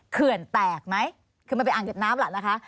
เขื่อนแตกไหมคือมันเป็นอ่างเก็บน้ำล่ะนะคะ